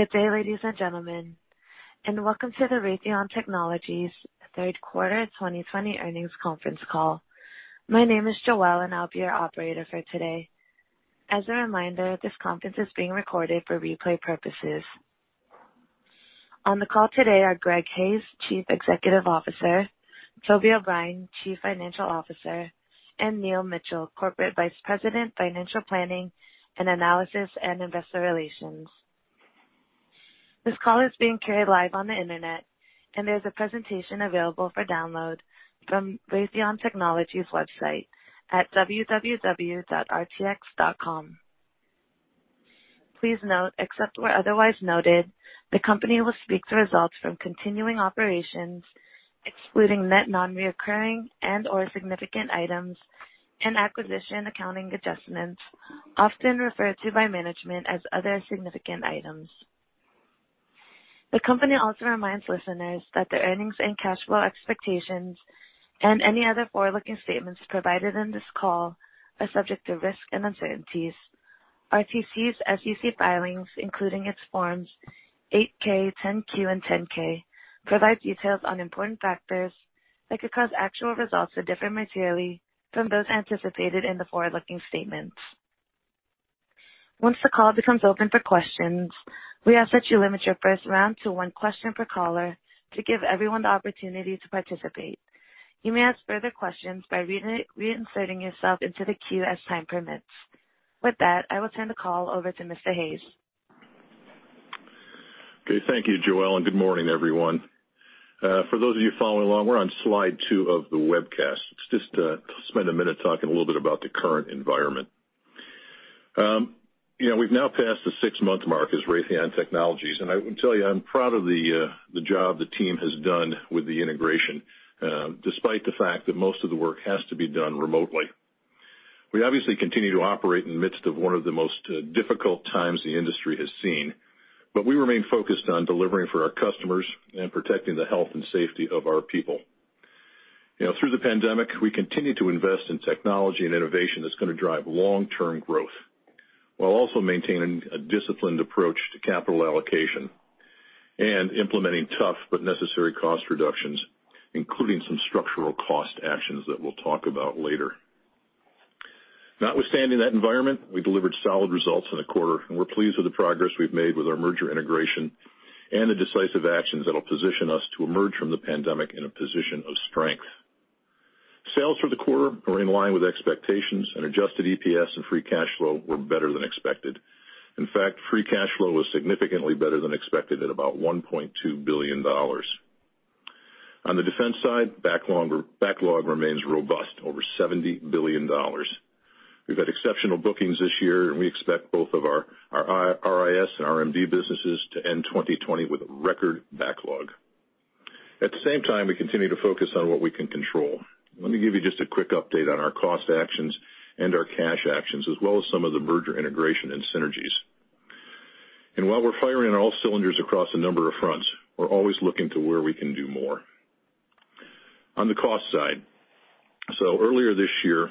Good day, ladies and gentlemen, welcome to the Raytheon Technologies third quarter 2020 earnings conference call. My name is Joelle, and I'll be your operator for today. As a reminder, this conference is being recorded for replay purposes. On the call today are Greg Hayes, Chief Executive Officer, Toby O'Brien, Chief Financial Officer, and Neil Mitchill, Corporate Vice President, Financial Planning and Analysis and Investor Relations. This call is being carried live on the internet, and there's a presentation available for download from Raytheon Technologies' website at www.rtx.com. Please note, except where otherwise noted, the company will speak to results from continuing operations, excluding net non-recurring and/or significant items and acquisition accounting adjustments, often referred to by management as other significant items. The company also reminds listeners that their earnings and cash flow expectations and any other forward-looking statements provided in this call are subject to risks and uncertainties. RTX's SEC filings, including its forms 8-K, 10-Q, and 10-K, provide details on important factors that could cause actual results to differ materially from those anticipated in the forward-looking statements. Once the call becomes open for questions, we ask that you limit your first round to one question per caller to give everyone the opportunity to participate. You may ask further questions by reinserting yourself into the queue as time permits. With that, I will turn the call over to Mr. Hayes. Thank you, Joelle, good morning, everyone. For those of you following along, we're on slide two of the webcast. Let's just spend a minute talking a little bit about the current environment. We've now passed the six-month mark as Raytheon Technologies, I can tell you, I'm proud of the job the team has done with the integration, despite the fact that most of the work has to be done remotely. We obviously continue to operate in the midst of one of the most difficult times the industry has seen, we remain focused on delivering for our customers and protecting the health and safety of our people. Through the pandemic, we continue to invest in technology and innovation that's going to drive long-term growth while also maintaining a disciplined approach to capital allocation and implementing tough but necessary cost reductions, including some structural cost actions that we'll talk about later. Notwithstanding that environment, we delivered solid results in the quarter, and we're pleased with the progress we've made with our merger integration and the decisive actions that'll position us to emerge from the pandemic in a position of strength. Sales for the quarter were in line with expectations, and adjusted EPS and free cash flow were better than expected. In fact, free cash flow was significantly better than expected at about $1.2 billion. On the defense side, backlog remains robust, over $70 billion. We've had exceptional bookings this year, and we expect both of our RIS and RMD businesses to end 2020 with a record backlog. At the same time, we continue to focus on what we can control. Let me give you just a quick update on our cost actions and our cash actions, as well as some of the merger integration and synergies. While we're firing on all cylinders across a number of fronts, we're always looking to where we can do more. On the cost side, earlier this year,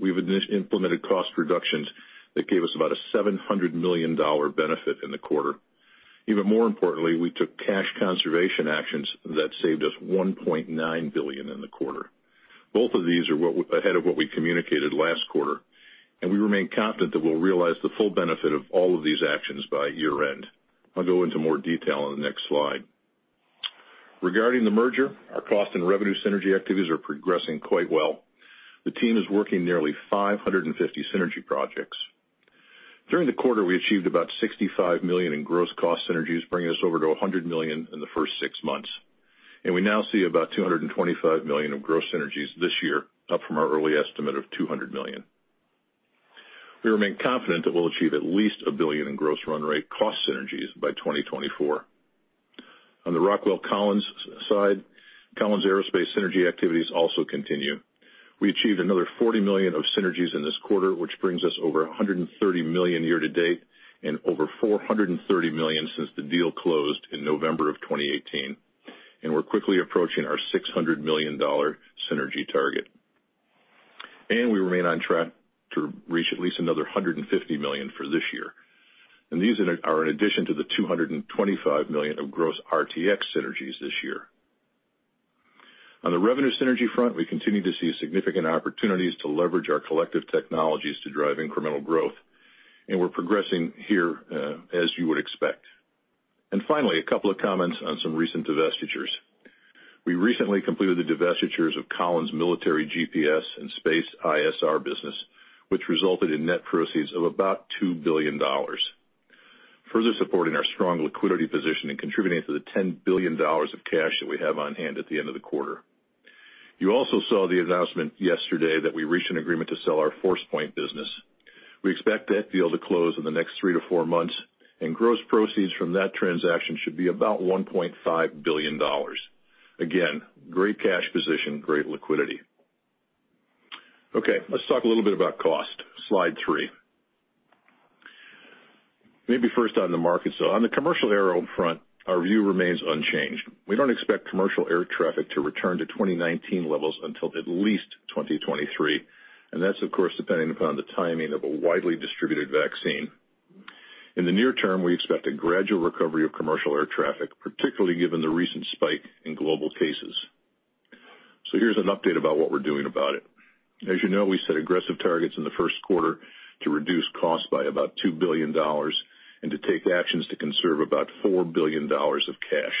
we've implemented cost reductions that gave us about a $700 million benefit in the quarter. Even more importantly, we took cash conservation actions that saved us $1.9 billion in the quarter. Both of these are ahead of what we communicated last quarter, and we remain confident that we'll realize the full benefit of all of these actions by year-end. I'll go into more detail on the next slide. Regarding the merger, our cost and revenue synergy activities are progressing quite well. The team is working nearly 550 synergy projects. During the quarter, we achieved about $65 million in gross cost synergies, bringing us over to $100 million in the first six months. We now see about $225 million of gross synergies this year, up from our early estimate of $200 million. We remain confident that we'll achieve at least $1 billion in gross run rate cost synergies by 2024. On the Rockwell Collins side, Collins Aerospace synergy activities also continue. We achieved another $40 million of synergies in this quarter, which brings us over $130 million year to date and over $430 million since the deal closed in November of 2018. We're quickly approaching our $600 million synergy target. We remain on track to reach at least another $150 million for this year. These are in addition to the $225 million of gross RTX synergies this year. On the revenue synergy front, we continue to see significant opportunities to leverage our collective technologies to drive incremental growth, we're progressing here as you would expect. Finally, a couple of comments on some recent divestitures. We recently completed the divestitures of Collins military GPS and space ISR business, which resulted in net proceeds of about $2 billion. Further supporting our strong liquidity position and contributing to the $10 billion of cash that we have on hand at the end of the quarter. You also saw the announcement yesterday that we reached an agreement to sell our Forcepoint business. We expect that deal to close in the next three to four months, gross proceeds from that transaction should be about $1.5 billion. Again, great cash position, great liquidity. Okay, let's talk a little bit about cost. Slide three. Maybe first on the market. On the commercial aero front, our view remains unchanged. We don't expect commercial air traffic to return to 2019 levels until at least 2023, and that's of course depending upon the timing of a widely distributed vaccine. In the near term, we expect a gradual recovery of commercial air traffic, particularly given the recent spike in global cases. Here's an update about what we're doing about it. As you know, we set aggressive targets in the first quarter to reduce costs by about $2 billion and to take actions to conserve about $4 billion of cash.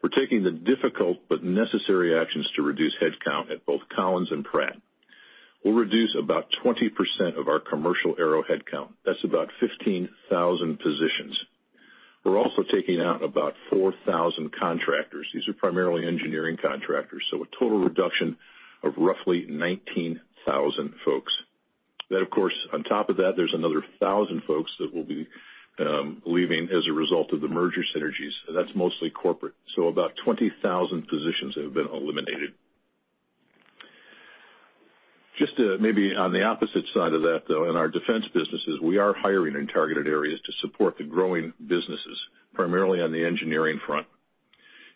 We're taking the difficult but necessary actions to reduce headcount at both Collins and Pratt. We'll reduce about 20% of our commercial aero headcount. That's about 15,000 positions. We're also taking out about 4,000 contractors. These are primarily engineering contractors, so a total reduction of roughly 19,000 folks. Of course, on top of that, there's another 1,000 folks that will be leaving as a result of the merger synergies, and that's mostly corporate. About 20,000 positions have been eliminated. Just to maybe on the opposite side of that, though, in our defense businesses, we are hiring in targeted areas to support the growing businesses, primarily on the engineering front.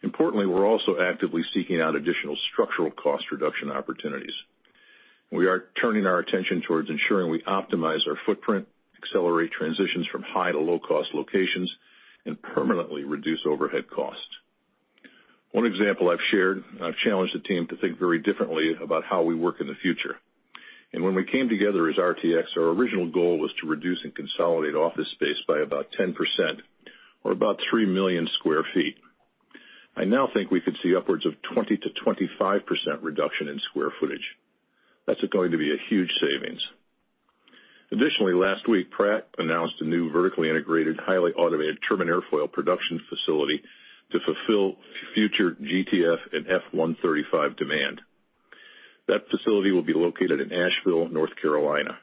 Importantly, we're also actively seeking out additional structural cost reduction opportunities. We are turning our attention towards ensuring we optimize our footprint, accelerate transitions from high to low-cost locations, and permanently reduce overhead costs. One example I've shared, I've challenged the team to think very differently about how we work in the future. When we came together as RTX, our original goal was to reduce and consolidate office space by about 10% or about 3 million square feet. I now think we could see upwards of 20%-25% reduction in square footage. That's going to be a huge savings. Additionally, last week, Pratt announced a new vertically integrated, highly automated turbine airfoil production facility to fulfill future GTF and F135 demand. That facility will be located in Asheville, North Carolina.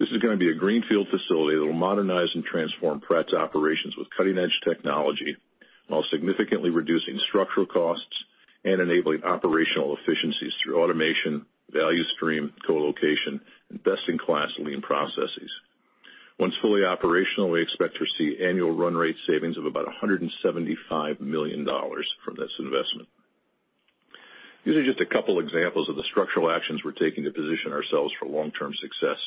This is going to be a greenfield facility that will modernize and transform Pratt's operations with cutting-edge technology while significantly reducing structural costs and enabling operational efficiencies through automation, value stream, co-location, and best-in-class lean processes. Once fully operational, we expect to see annual run rate savings of about $175 million from this investment. These are just a couple examples of the structural actions we're taking to position ourselves for long-term success.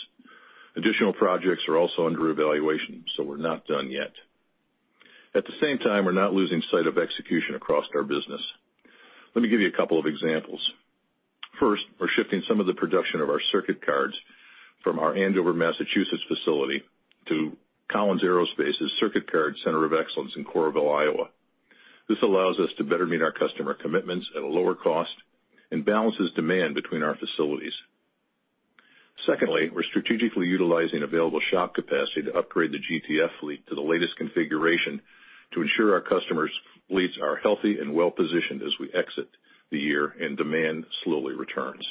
Additional projects are also under evaluation, we're not done yet. At the same time, we're not losing sight of execution across our business. Let me give you a couple of examples. First, we're shifting some of the production of our circuit cards from our Andover, Massachusetts facility to Collins Aerospace's Circuit Card Center of Excellence in Coralville, Iowa. This allows us to better meet our customer commitments at a lower cost and balances demand between our facilities. Secondly, we're strategically utilizing available shop capacity to upgrade the GTF fleet to the latest configuration to ensure our customers' fleets are healthy and well-positioned as we exit the year and demand slowly returns.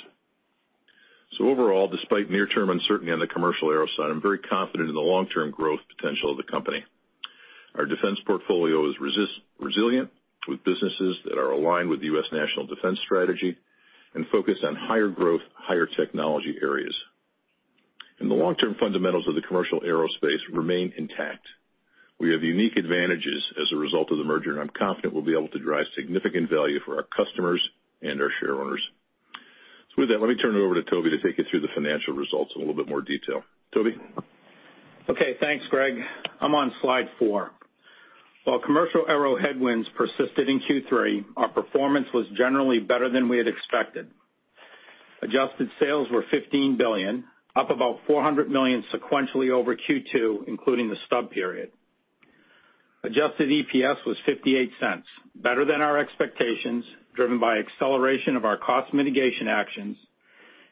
Overall, despite near-term uncertainty on the commercial aero side, I'm very confident in the long-term growth potential of the company. Our defense portfolio is resilient with businesses that are aligned with the U.S. national defense strategy and focused on higher growth, higher technology areas. The long-term fundamentals of the commercial aerospace remain intact. We have unique advantages as a result of the merger, and I'm confident we'll be able to drive significant value for our customers and our shareholders. With that, let me turn it over to Toby to take you through the financial results in a little bit more detail. Toby? Okay, thanks, Greg. I'm on slide four. While commercial aero headwinds persisted in Q3, our performance was generally better than we had expected. Adjusted sales were $15 billion, up about $400 million sequentially over Q2, including the stub period. Adjusted EPS was $0.58, better than our expectations, driven by acceleration of our cost mitigation actions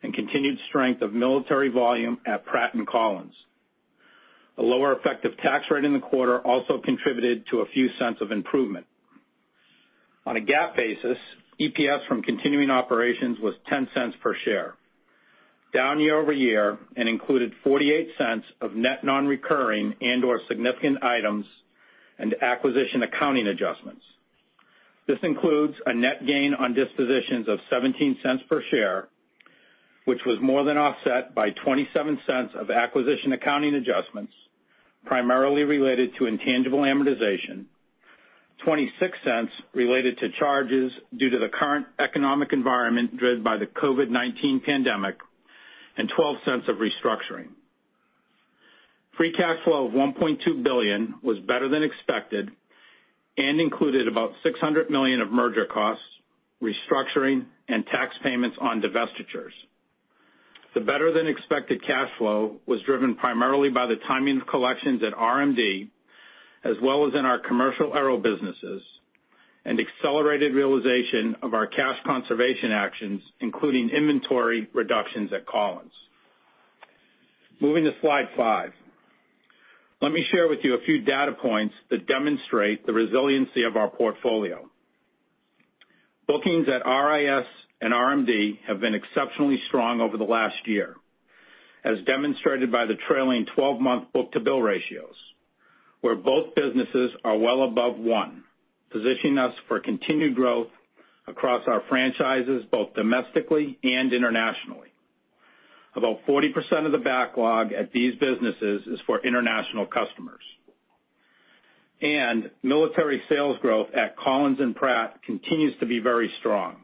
and continued strength of military volume at Pratt and Collins. A lower effective tax rate in the quarter also contributed to a few cents of improvement. On a GAAP basis, EPS from continuing operations was $0.10 per share, down year-over-year, and included $0.48 of net non-recurring and/or significant items and acquisition accounting adjustments. This includes a net gain on dispositions of $0.17 per share, which was more than offset by $0.27 of acquisition accounting adjustments, primarily related to intangible amortization, $0.26 related to charges due to the current economic environment driven by the COVID-19 pandemic, and $0.12 of restructuring. Free cash flow of $1.2 billion was better than expected and included about $600 million of merger costs, restructuring, and tax payments on divestitures. The better-than-expected cash flow was driven primarily by the timing of collections at RMD, as well as in our commercial aero businesses, and accelerated realization of our cash conservation actions, including inventory reductions at Collins. Moving to slide five. Let me share with you a few data points that demonstrate the resiliency of our portfolio. Bookings at RIS and RMD have been exceptionally strong over the last year, as demonstrated by the trailing 12-month book-to-bill ratios, where both businesses are well above one, positioning us for continued growth across our franchises, both domestically and internationally. About 40% of the backlog at these businesses is for international customers. Military sales growth at Collins and Pratt continues to be very strong,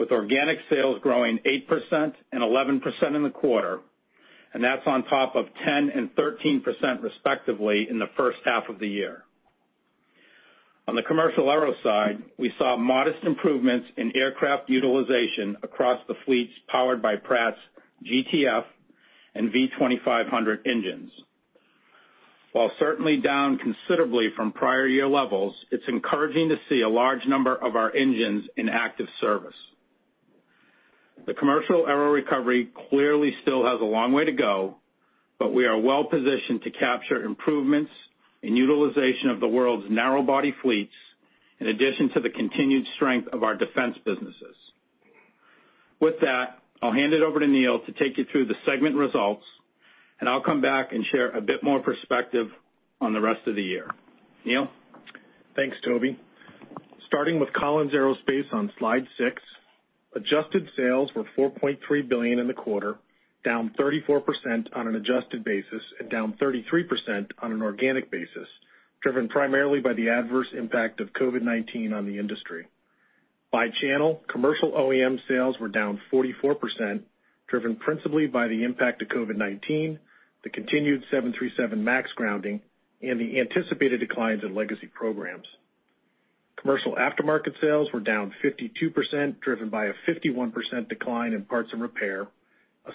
with organic sales growing 8% and 11% in the quarter, and that's on top of 10% and 13%, respectively, in the first half of the year. On the commercial aero side, we saw modest improvements in aircraft utilization across the fleets powered by Pratt's GTF and V2500 engines. While certainly down considerably from prior year levels, it's encouraging to see a large number of our engines in active service. The commercial aero recovery clearly still has a long way to go, but we are well-positioned to capture improvements in utilization of the world's narrow body fleets, in addition to the continued strength of our defense businesses. With that, I'll hand it over to Neil to take you through the segment results, and I'll come back and share a bit more perspective on the rest of the year. Neil? Thanks, Toby. Starting with Collins Aerospace on slide six, adjusted sales were $4.3 billion in the quarter, down 34% on an adjusted basis and down 33% on an organic basis, driven primarily by the adverse impact of COVID-19 on the industry. By channel, commercial OEM sales were down 44%, driven principally by the impact of COVID-19, the continued 737 MAX grounding, and the anticipated declines in legacy programs. Commercial aftermarket sales were down 52%, driven by a 51% decline in parts and repair, a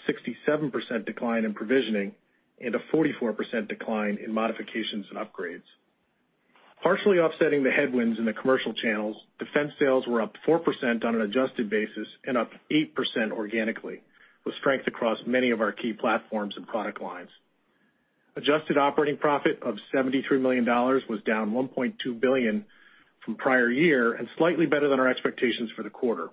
67% decline in provisioning, and a 44% decline in modifications and upgrades. Partially offsetting the headwinds in the commercial channels, defense sales were up 4% on an adjusted basis and up 8% organically, with strength across many of our key platforms and product lines. Adjusted operating profit of $73 million was down $1.2 billion from prior year and slightly better than our expectations for the quarter.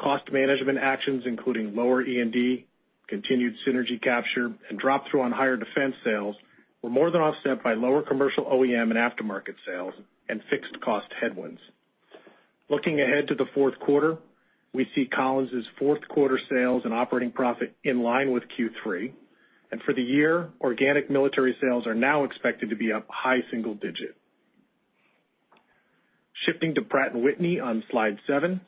Cost management actions, including lower E&D, continued synergy capture, and drop-through on higher defense sales, were more than offset by lower commercial OEM and aftermarket sales and fixed cost headwinds. Looking ahead to the fourth quarter, we see Collins' fourth quarter sales and operating profit in line with Q3. For the year, organic military sales are now expected to be up high single digit. Shifting to Pratt & Whitney on slide seven,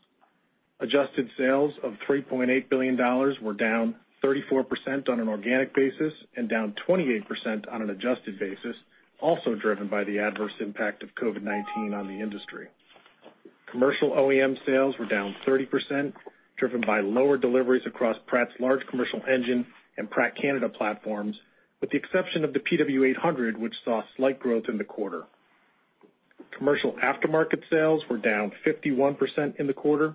adjusted sales of $3.8 billion were down 34% on an organic basis and down 28% on an adjusted basis, also driven by the adverse impact of COVID-19 on the industry. Commercial OEM sales were down 30%, driven by lower deliveries across Pratt's large commercial engine and Pratt Canada platforms, with the exception of the PW800, which saw slight growth in the quarter. Commercial aftermarket sales were down 51% in the quarter.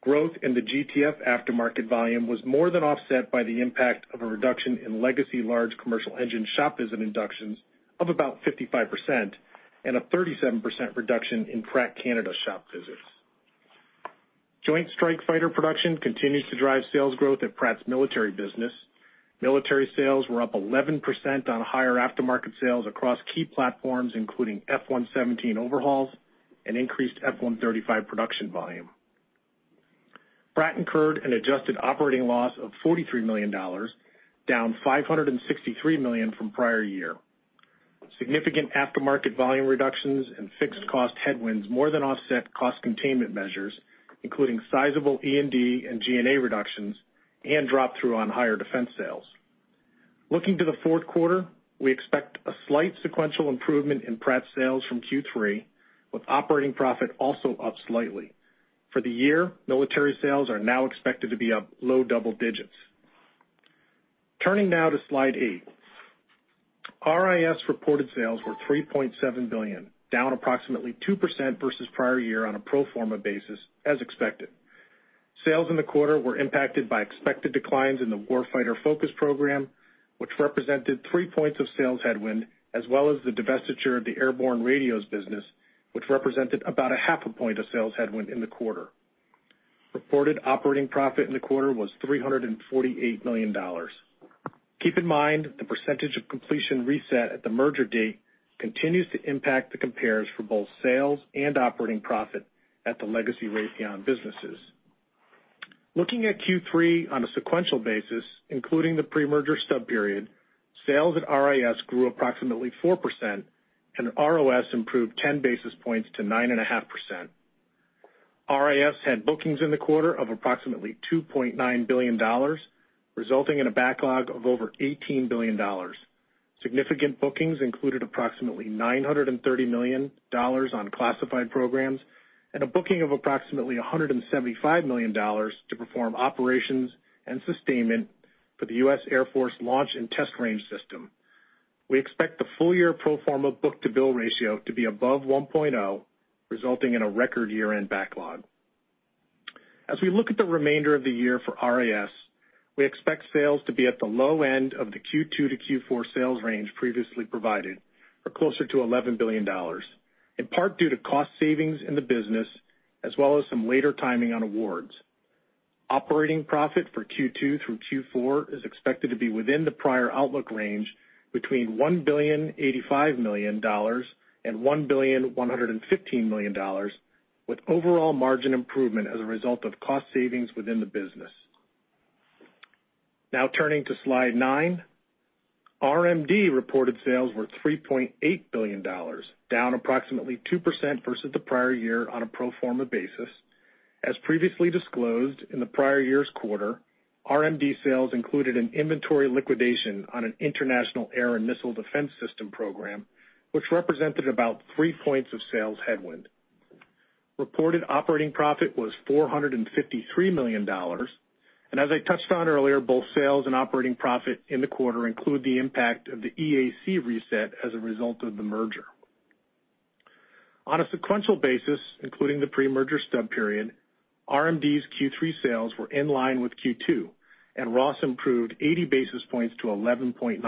Growth in the GTF aftermarket volume was more than offset by the impact of a reduction in legacy large commercial engine shop visit inductions of about 55% and a 37% reduction in Pratt Canada shop visits. Joint Strike Fighter production continues to drive sales growth at Pratt's military business. Military sales were up 11% on higher aftermarket sales across key platforms, including F117 overhauls and increased F135 production volume. Pratt incurred an adjusted operating loss of $43 million, down $563 million from prior year. Significant aftermarket volume reductions and fixed cost headwinds more than offset cost containment measures, including sizable E&D and G&A reductions and drop-through on higher defense sales. Looking to the fourth quarter, we expect a slight sequential improvement in Pratt sales from Q3, with operating profit also up slightly. For the year, military sales are now expected to be up low double digits. Turning now to slide eight. RIS reported sales were $3.7 billion, down approximately 2% versus prior year on a pro forma basis, as expected. Sales in the quarter were impacted by expected declines in the Warfighter FOCUS program, which represented three points of sales headwind, as well as the divestiture of the airborne radios business, which represented about a half a point of sales headwind in the quarter. Reported operating profit in the quarter was $348 million. Keep in mind, the percentage of completion reset at the merger date continues to impact the compares for both sales and operating profit at the legacy Raytheon businesses. Looking at Q3 on a sequential basis, including the pre-merger stub period, sales at RIS grew approximately 4%, and ROS improved 10 basis points to 9.5%. RIS had bookings in the quarter of approximately $2.9 billion, resulting in a backlog of over $18 billion. Significant bookings included approximately $930 million on classified programs and a booking of approximately $175 million to perform operations and sustainment for the U.S. Air Force Launch and Test Range System. We expect the full-year pro forma book-to-bill ratio to be above 1.0, resulting in a record year-end backlog. As we look at the remainder of the year for RIS, we expect sales to be at the low end of the Q2 to Q4 sales range previously provided, or closer to $11 billion, in part due to cost savings in the business, as well as some later timing on awards. Operating profit for Q2 through Q4 is expected to be within the prior outlook range, between $1.085 billion and $1.115 billion, with overall margin improvement as a result of cost savings within the business. Now turning to slide nine. RMD reported sales were $3.8 billion, down approximately 2% versus the prior year on a pro forma basis. As previously disclosed in the prior year's quarter, RMD sales included an inventory liquidation on an international air and missile defense system program, which represented about 3 points of sales headwind. Reported operating profit was $453 million. As I touched on earlier, both sales and operating profit in the quarter include the impact of the EAC reset as a result of the merger. On a sequential basis, including the pre-merger stub period, RMD's Q3 sales were in line with Q2, and ROS improved 80 basis points to 11.9%.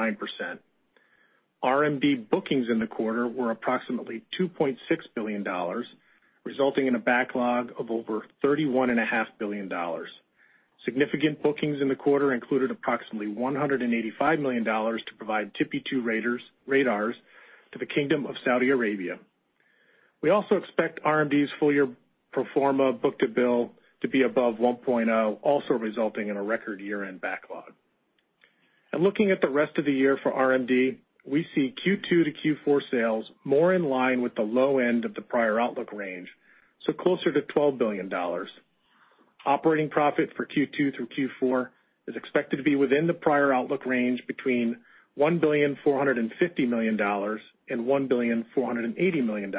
RMD bookings in the quarter were approximately $2.6 billion, resulting in a backlog of over $31.5 billion. Significant bookings in the quarter included approximately $185 million to provide TPY-2 radars to the Kingdom of Saudi Arabia. We also expect RMD's full year pro forma book-to-bill to be above 1.0, also resulting in a record year-end backlog. Looking at the rest of the year for RMD, we see Q2 to Q4 sales more in line with the low end of the prior outlook range, so closer to $12 billion. Operating profit for Q2 through Q4 is expected to be within the prior outlook range, between $1,450 million and $1,480 million,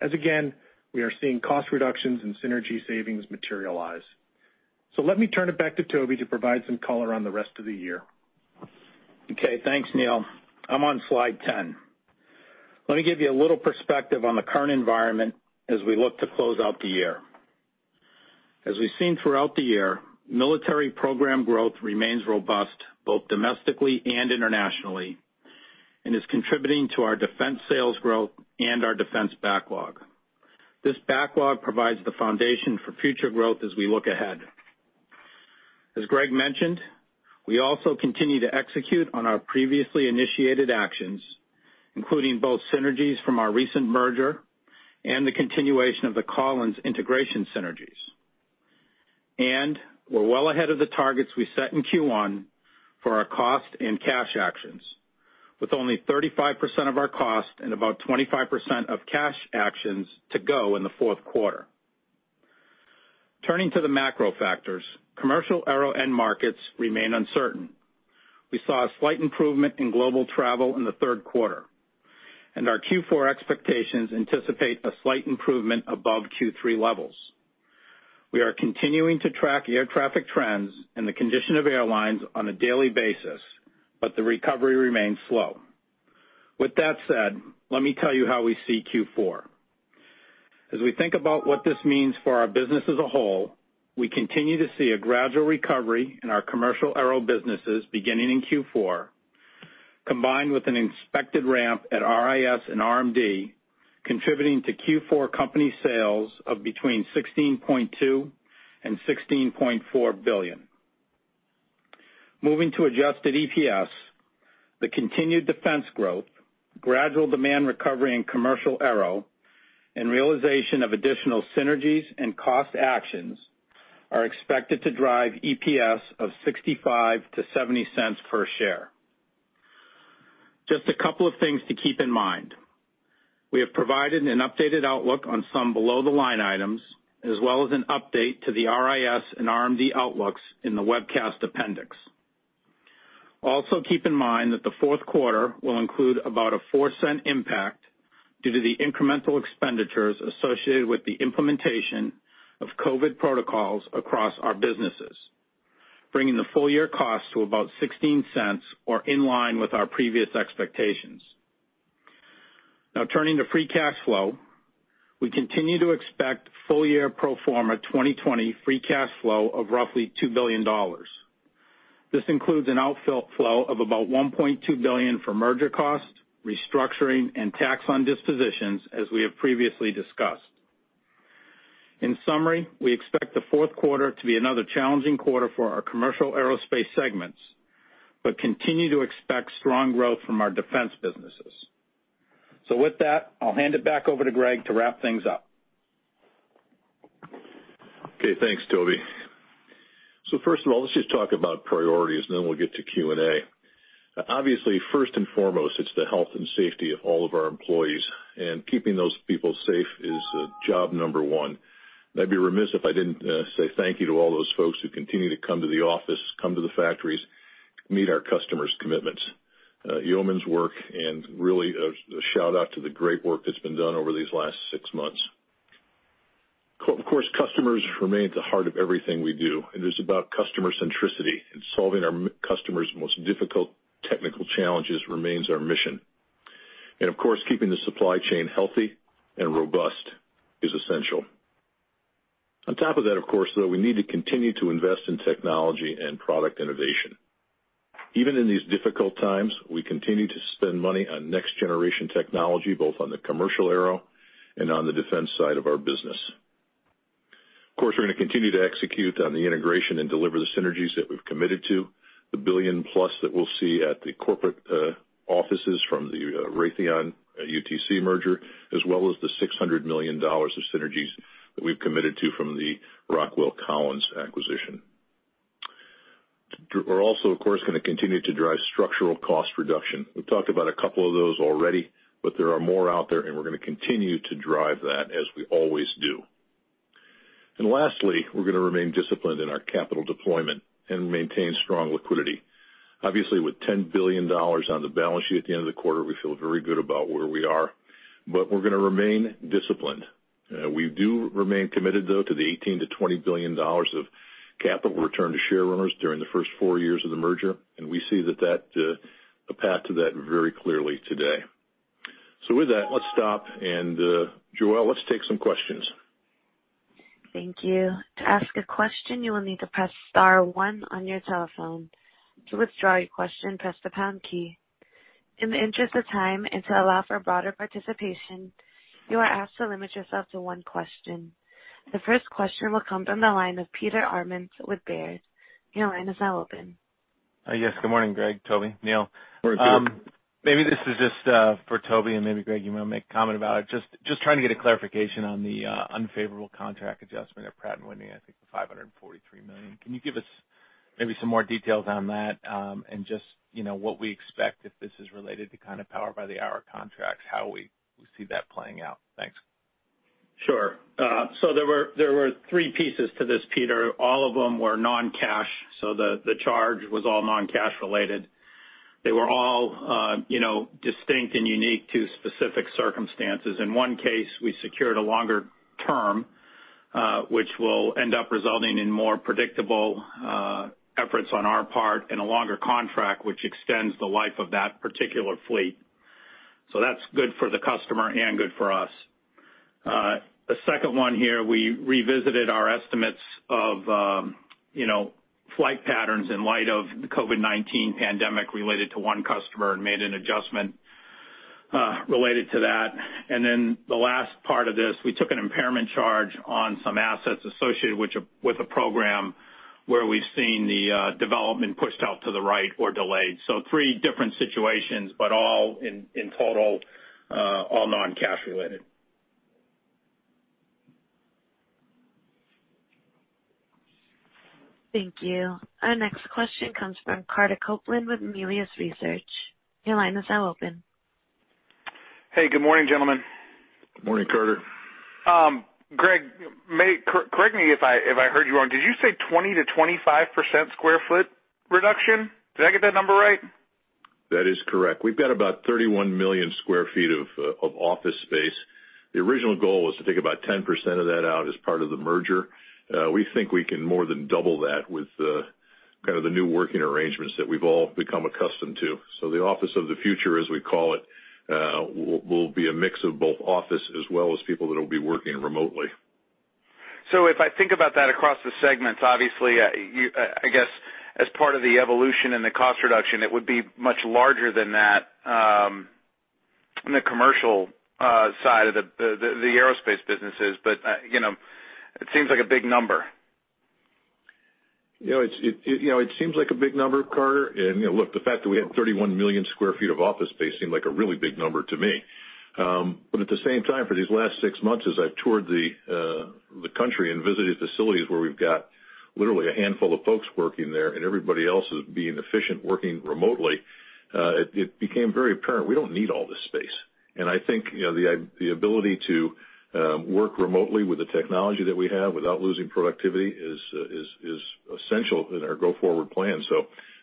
as again, we are seeing cost reductions and synergy savings materialize. Let me turn it back to Toby to provide some color on the rest of the year. Okay. Thanks, Neil. I'm on slide 10. Let me give you a little perspective on the current environment as we look to close out the year. As we've seen throughout the year, military program growth remains robust, both domestically and internationally, and is contributing to our defense sales growth and our defense backlog. This backlog provides the foundation for future growth as we look ahead. As Greg mentioned, we also continue to execute on our previously initiated actions, including both synergies from our recent merger and the continuation of the Collins integration synergies. We're well ahead of the targets we set in Q1 for our cost and cash actions, with only 35% of our cost and about 25% of cash actions to go in the fourth quarter. Turning to the macro factors, commercial aero end markets remain uncertain. We saw a slight improvement in global travel in the 3rd quarter, and our Q4 expectations anticipate a slight improvement above Q3 levels. We are continuing to track air traffic trends and the condition of airlines on a daily basis, but the recovery remains slow. With that said, let me tell you how we see Q4. As we think about what this means for our business as a whole, we continue to see a gradual recovery in our commercial aero businesses beginning in Q4, combined with an expected ramp at RIS and RMD, contributing to Q4 company sales of between $16.2 billion and $16.4 billion. Moving to adjusted EPS, the continued defense growth, gradual demand recovery in commercial aero, and realization of additional synergies and cost actions are expected to drive EPS of $0.65-$0.70 per share. Just a couple of things to keep in mind. We have provided an updated outlook on some below-the-line items, as well as an update to the RIS and RMD outlooks in the webcast appendix. Also, keep in mind that the fourth quarter will include about a $0.04 impact due to the incremental expenditures associated with the implementation of COVID-19 protocols across our businesses, bringing the full-year cost to about $0.16 or in line with our previous expectations. Turning to free cash flow. We continue to expect full-year pro forma 2020 free cash flow of roughly $2 billion. This includes an outflow of about $1.2 billion for merger cost, restructuring, and tax on dispositions, as we have previously discussed. We expect the fourth quarter to be another challenging quarter for our commercial aerospace segments, but continue to expect strong growth from our defense businesses. With that, I'll hand it back over to Greg to wrap things up. Okay, thanks, Toby. First of all, let's just talk about priorities, and then we'll get to Q&A. Obviously, first and foremost, it's the health and safety of all of our employees, keeping those people safe is job number one. I'd be remiss if I didn't say thank you to all those folks who continue to come to the office, come to the factories, meet our customers' commitments. Yeoman's work, really a shout-out to the great work that's been done over these last six months. Of course, customers remain at the heart of everything we do. It is about customer centricity, solving our customers' most difficult technical challenges remains our mission. Of course, keeping the supply chain healthy and robust is essential. On top of that, of course, though, we need to continue to invest in technology and product innovation. Even in these difficult times, we continue to spend money on next-generation technology, both on the commercial aero and on the defense side of our business. Of course, we're going to continue to execute on the integration and deliver the synergies that we've committed to, the billion-plus that we'll see at the corporate offices from the Raytheon UTC merger, as well as the $600 million of synergies that we've committed to from the Rockwell Collins acquisition. We're also, of course, going to continue to drive structural cost reduction. We've talked about a couple of those already, but there are more out there, and we're going to continue to drive that as we always do. Lastly, we're going to remain disciplined in our capital deployment and maintain strong liquidity. Obviously, with $10 billion on the balance sheet at the end of the quarter, we feel very good about where we are. We're going to remain disciplined. We do remain committed, though, to the $18 billion-$20 billion of capital return to shareholders during the first four years of the merger, and we see a path to that very clearly today. With that, let's stop, and Joelle, let's take some questions. Thank you. The first question will come from the line of Peter Arment with Baird. Your line is now open. Yes. Good morning, Greg, Toby, Neil. Good morning. Maybe this is just for Toby and maybe Greg, you want to make a comment about it. Just trying to get a clarification on the unfavorable contract adjustment at Pratt & Whitney, I think the $543 million. Can you give us maybe some more details on that? Just what we expect if this is related to kind of power by the hour contracts, how we see that playing out. Thanks. Sure. There were three pieces to this, Peter. All of them were non-cash, so the charge was all non-cash related. They were all distinct and unique to specific circumstances. In one case, we secured a longer term, which will end up resulting in more predictable efforts on our part and a longer contract, which extends the life of that particular fleet. That's good for the customer and good for us. The second one here, we revisited our estimates of flight patterns in light of the COVID-19 pandemic related to one customer and made an adjustment related to that. Then the last part of this, we took an impairment charge on some assets associated with a program where we've seen the development pushed out to the right or delayed. Three different situations, but all in total, all non-cash related. Thank you. Our next question comes from Carter Copeland with Melius Research. Hey, good morning, gentlemen. Good morning, Carter. Greg, correct me if I heard you wrong. Did you say 20%-25% sq ft reduction? Did I get that number right? That is correct. We've got about 31 million sq ft of office space. The original goal was to take about 10% of that out as part of the merger. We think we can more than double that with the new working arrangements that we've all become accustomed to. The office of the future, as we call it, will be a mix of both office as well as people that will be working remotely. If I think about that across the segments, obviously, I guess as part of the evolution and the cost reduction, it would be much larger than that in the commercial side of the aerospace businesses. It seems like a big number. It seems like a big number, Carter, and look, the fact that we have 31 million square feet of office space seem like a really big number to me. At the same time, for these last six months, as I've toured the country and visited facilities where we've got literally a handful of folks working there, and everybody else is being efficient, working remotely, it became very apparent we don't need all this space. I think, the ability to work remotely with the technology that we have without losing productivity is essential in our go-forward plan.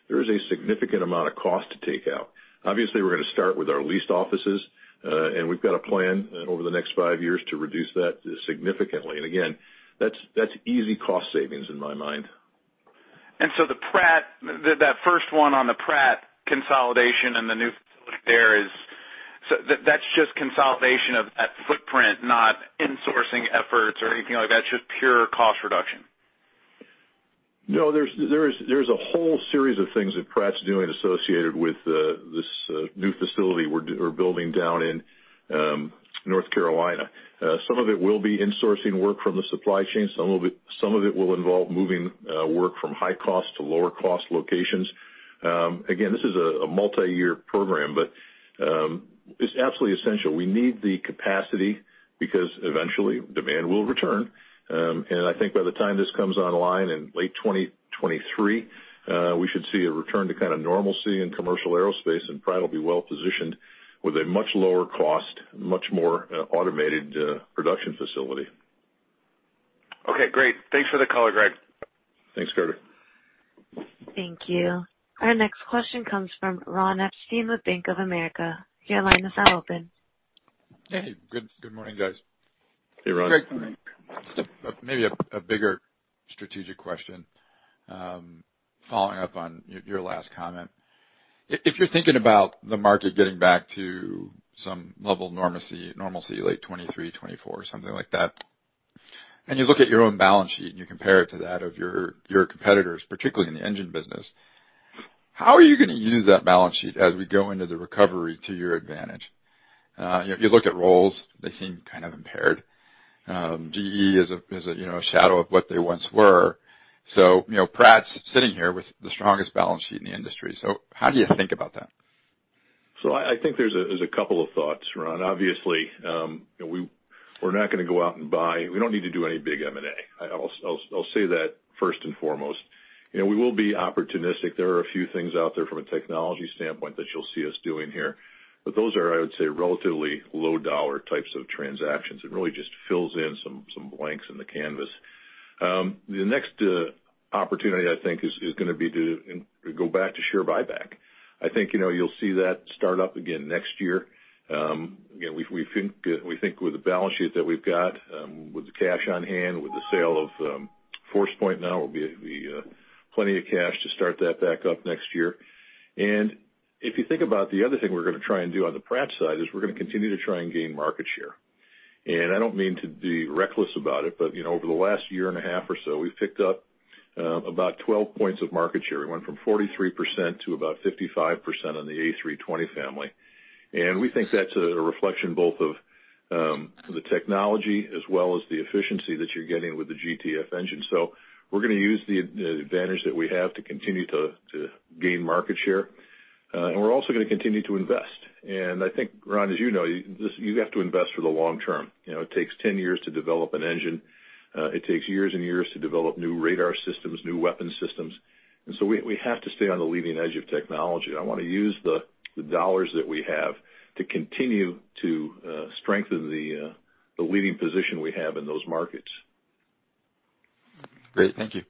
There is a significant amount of cost to take out. Obviously, we're going to start with our leased offices. We've got a plan over the next five years to reduce that significantly. Again, that's easy cost savings in my mind. That first one on the Pratt consolidation and the new facility there is, that is just consolidation of that footprint, not insourcing efforts or anything like that, just pure cost reduction? No, there's a whole series of things that Pratt's doing associated with this new facility we're building down in North Carolina. Some of it will be insourcing work from the supply chain. Some of it will involve moving work from high cost to lower cost locations. Again, this is a multi-year program, but it's absolutely essential. We need the capacity because eventually demand will return. I think by the time this comes online in late 2023, we should see a return to kind of normalcy in commercial aerospace, and Pratt will be well-positioned with a much lower cost, much more automated production facility. Okay, great. Thanks for the color, Greg. Thanks, Carter. Thank you. Our next question comes from Ron Epstein of Bank of America. Your line is now open. Hey, good morning, guys. Hey, Ron. Greg, maybe a bigger strategic question following up on your last comment. If you're thinking about the market getting back to some level of normalcy, late 2023, 2024, something like that, and you look at your own balance sheet and you compare it to that of your competitors, particularly in the engine business, how are you going to use that balance sheet as we go into the recovery to your advantage? If you look at Rolls-Royce, they seem kind of impaired. GE is a shadow of what they once were. Pratt's sitting here with the strongest balance sheet in the industry. How do you think about that? I think there's a couple of thoughts, Ron. Obviously, we're not going to go out and buy. We don't need to do any big M&A. I'll say that first and foremost. We will be opportunistic. There are a few things out there from a technology standpoint that you'll see us doing here, but those are, I would say, relatively low-dollar types of transactions. It really just fills in some blanks in the canvas. The next opportunity, I think, is going to be to go back to share buyback. I think you'll see that start up again next year. We think with the balance sheet that we've got, with the cash on hand, with the sale of Forcepoint now, we'll be plenty of cash to start that back up next year. If you think about the other thing we're going to try and do on the Pratt side is we're going to continue to try and gain market share. I don't mean to be reckless about it, but over the last one and a half or so, we've picked up about 12 points of market share. We went from 43% to about 55% on the A320 family. We think that's a reflection both of the technology as well as the efficiency that you're getting with the GTF engine. We're going to use the advantage that we have to continue to gain market share. We're also going to continue to invest. I think, Ron, as you know, you have to invest for the long term. It takes 10 years to develop an engine. It takes years and years to develop new radar systems, new weapon systems. We have to stay on the leading edge of technology. I want to use the dollars that we have to continue to strengthen the leading position we have in those markets. Great. Thank you.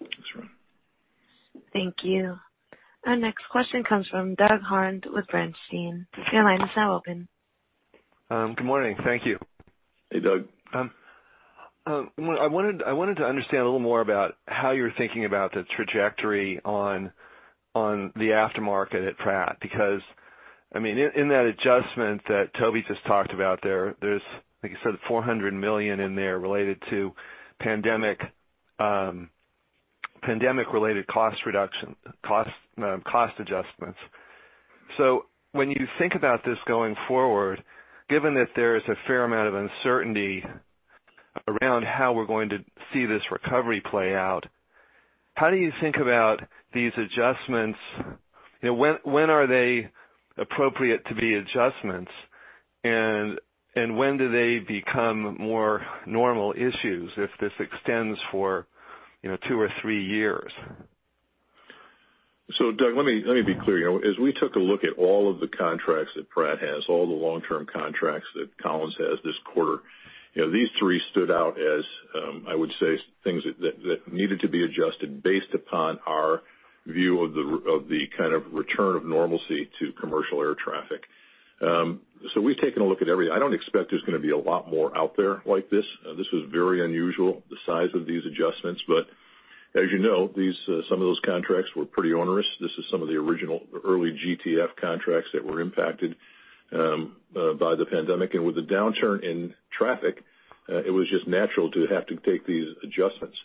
Thanks, Ron. Thank you. Our next question comes from Doug Harned with Bernstein. Your line is now open. Good morning. Thank you. Hey, Doug. I wanted to understand a little more about how you're thinking about the trajectory on the aftermarket at Pratt, because in that adjustment that Toby just talked about there's, like you said, $400 million in there related to pandemic-related cost reduction, cost adjustments. When you think about this going forward, given that there is a fair amount of uncertainty around how we're going to see this recovery play out, how do you think about these adjustments? When are they appropriate to be adjustments, and when do they become more normal issues if this extends for two or three years? Doug, let me be clear. As we took a look at all of the contracts that Pratt has, all the long-term contracts that Collins has this quarter, these three stood out as, I would say, things that needed to be adjusted based upon our view of the kind of return of normalcy to commercial air traffic. We've taken a look at every. I don't expect there's going to be a lot more out there like this. This was very unusual, the size of these adjustments. As you know, some of those contracts were pretty onerous. This is some of the original early GTF contracts that were impacted by the pandemic. With the downturn in traffic, it was just natural to have to take these adjustments.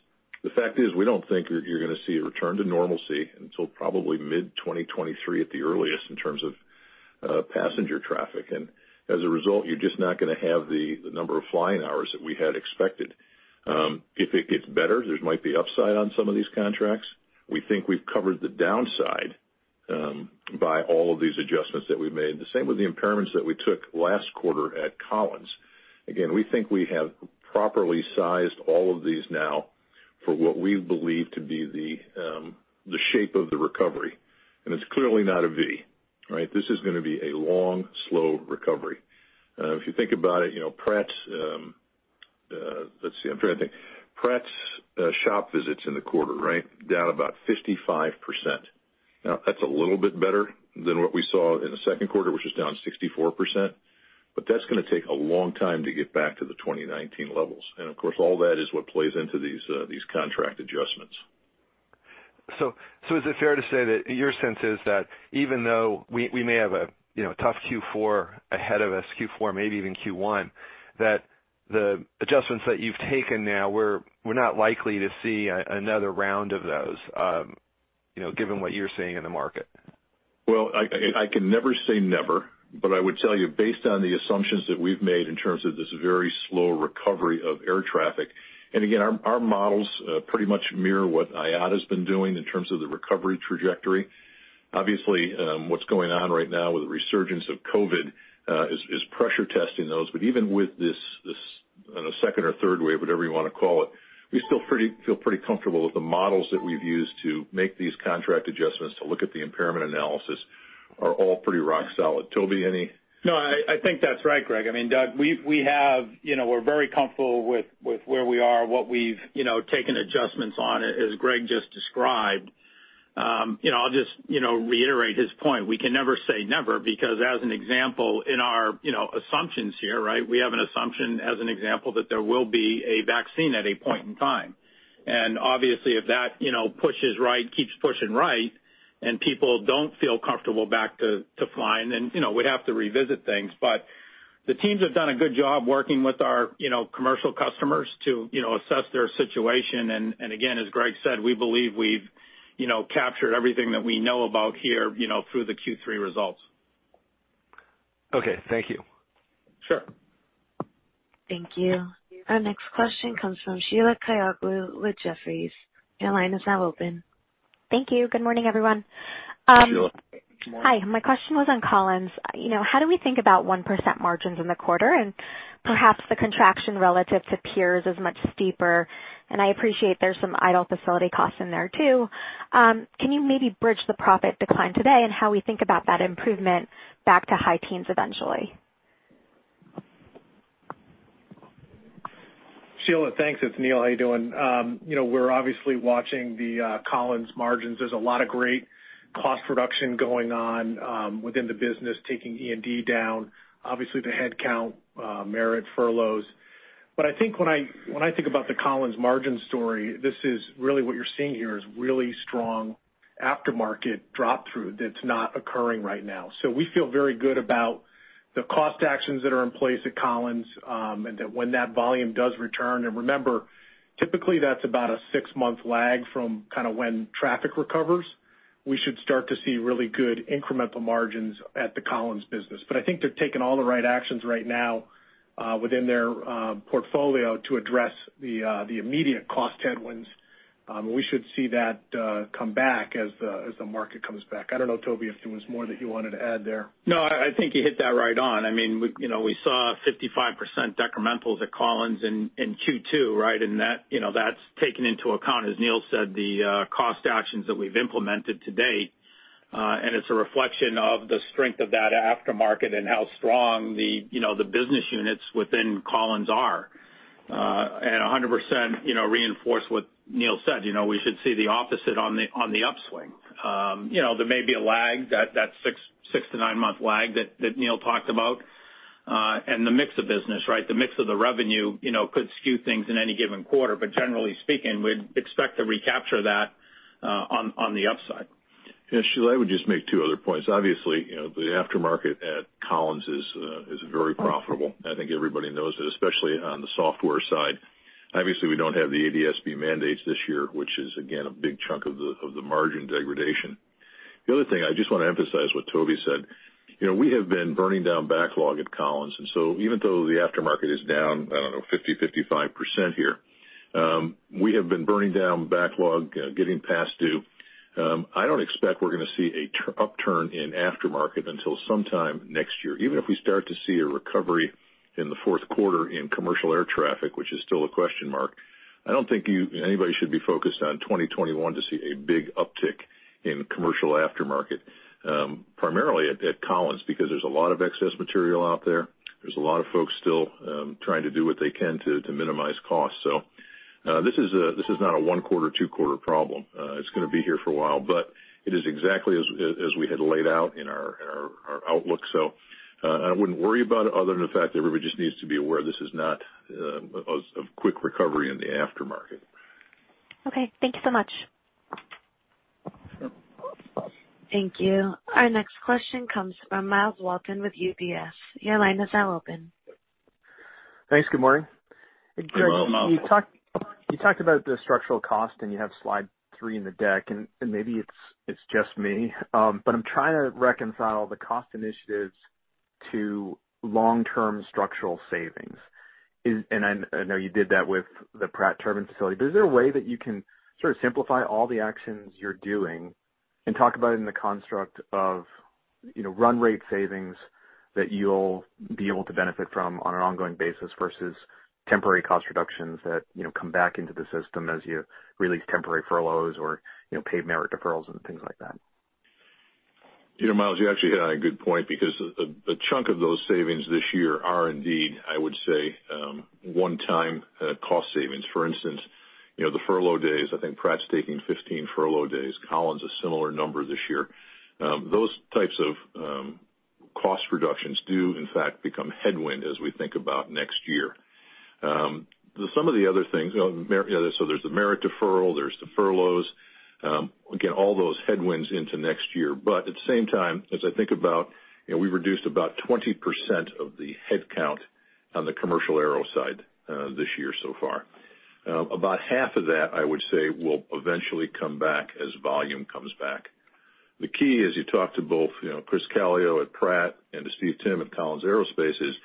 The fact is, we don't think you're going to see a return to normalcy until probably mid-2023 at the earliest in terms of passenger traffic. As a result, you're just not going to have the number of flying hours that we had expected. If it gets better, there might be upside on some of these contracts. We think we've covered the downside by all of these adjustments that we've made. The same with the impairments that we took last quarter at Collins. Again, we think we have properly sized all of these now for what we believe to be the shape of the recovery. It's clearly not a V, right? This is going to be a long, slow recovery. If you think about it, Pratt's shop visits in the quarter, right, down about 55%. That's a little bit better than what we saw in the second quarter, which was down 64%, but that's going to take a long time to get back to the 2019 levels. Of course, all that is what plays into these contract adjustments. Is it fair to say that your sense is that even though we may have a tough Q4 ahead of us, Q4, maybe even Q1, that the adjustments that you've taken now, we're not likely to see another round of those, given what you're seeing in the market? Well, I can never say never, but I would tell you, based on the assumptions that we've made in terms of this very slow recovery of air traffic, and again, our models pretty much mirror what IATA's been doing in terms of the recovery trajectory. Obviously, what's going on right now with the resurgence of COVID is pressure testing those. Even with this second or third wave, whatever you want to call it, we still feel pretty comfortable that the models that we've used to make these contract adjustments, to look at the impairment analysis, are all pretty rock solid. Toby, any? No, I think that's right, Greg. Doug, we're very comfortable with where we are, what we've taken adjustments on, as Greg just described. I'll just reiterate his point. We can never say never, because as an example, in our assumptions here, we have an assumption, as an example, that there will be a vaccine at a point in time. Obviously, if that keeps pushing right, and people don't feel comfortable back to flying, then we'd have to revisit things. The teams have done a good job working with our commercial customers to assess their situation. Again, as Greg said, we believe we've captured everything that we know about here through the Q3 results. Okay, thank you. Sure. Thank you. Our next question comes from Sheila Kahyaoglu with Jefferies. Thank you. Good morning, everyone. Sheila, good morning. Hi. My question was on Collins. How do we think about 1% margins in the quarter and perhaps the contraction relative to peers is much steeper, and I appreciate there's some idle facility costs in there too. Can you maybe bridge the profit decline today and how we think about that improvement back to high teens eventually? Sheila, thanks. It's Neil. How you doing? We're obviously watching the Collins margins. There's a lot of great cost reduction going on within the business, taking E&D down, obviously the headcount, merit furloughs. I think when I think about the Collins margin story, this is really what you're seeing here is really strong aftermarket drop through that's not occurring right now. We feel very good about the cost actions that are in place at Collins, and that when that volume does return, and remember, typically that's about a six-month lag from when traffic recovers. We should start to see really good incremental margins at the Collins business. I think they're taking all the right actions right now within their portfolio to address the immediate cost headwinds. We should see that come back as the market comes back. I don't know, Toby, if there was more that you wanted to add there? No, I think you hit that right on. We saw 55% decrementals at Collins in Q2. That's taking into account, as Neil said, the cost actions that we've implemented to date. It's a reflection of the strength of that aftermarket and how strong the business units within Collins are. 100% reinforce what Neil said. We should see the opposite on the upswing. There may be a lag, that 6-9 month lag that Neil talked about, and the mix of business. The mix of the revenue could skew things in any given quarter, but generally speaking, we'd expect to recapture that on the upside. Sheila, I would just make two other points. Obviously, the aftermarket at Collins is very profitable. I think everybody knows it, especially on the software side. Obviously, we don't have the ADS-B mandates this year, which is again, a big chunk of the margin degradation. The other thing, I just want to emphasize what Toby said. We have been burning down backlog at Collins, even though the aftermarket is down, I don't know, 50%, 55% here, we have been burning down backlog, getting past due. I don't expect we're going to see an upturn in aftermarket until sometime next year. Even if we start to see a recovery in the fourth quarter in commercial air traffic, which is still a question mark, I don't think anybody should be focused on 2021 to see a big uptick in commercial aftermarket. Primarily at Collins, because there's a lot of excess material out there. There's a lot of folks still trying to do what they can to minimize cost. This is not a one quarter, two quarter problem. It's going to be here for a while, but it is exactly as we had laid out in our outlook. I wouldn't worry about it other than the fact that everybody just needs to be aware this is not a quick recovery in the aftermarket. Okay, thank you so much. Thank you. Our next question comes from Myles Walton with UBS. Your line is now open. Thanks, good morning. You're welcome. You talked about the structural cost, and you have slide three in the deck, and maybe it's just me, but I'm trying to reconcile the cost initiatives to long-term structural savings. I know you did that with the Pratt turbine facility, but is there a way that you can sort of simplify all the actions you're doing and talk about it in the construct of run rate savings that you'll be able to benefit from on an ongoing basis versus temporary cost reductions that come back into the system as you release temporary furloughs or paid merit deferrals and things like that? Myles, you actually hit on a good point because a chunk of those savings this year are indeed, I would say, one-time cost savings. For instance, the furlough days, I think Pratt's taking 15 furlough days. Collins, a similar number this year. Those types of cost reductions do in fact become headwind as we think about next year. Some of the other things, so there's the merit deferral, there's the furloughs. Again, all those headwinds into next year. At the same time, as I think about, we've reduced about 20% of the headcount on the commercial aero side this year so far. About half of that, I would say, will eventually come back as volume comes back. The key as you talk to both Chris Calio at Pratt and to Steve Timm at Collins Aerospace is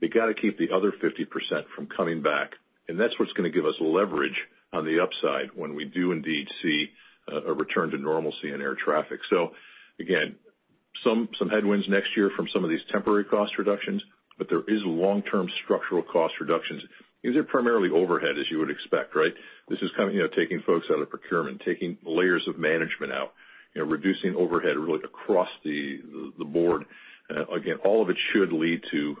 you got to keep the other 50% from coming back, and that's what's going to give us leverage on the upside when we do indeed see a return to normalcy in air traffic. Again, some headwinds next year from some of these temporary cost reductions, but there is long-term structural cost reductions. These are primarily overhead, as you would expect. This is taking folks out of procurement, taking layers of management out, reducing overhead really across the board. Again, all of it should lead to